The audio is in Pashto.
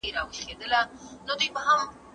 سپوږمکۍ د سیارې نبض څاري.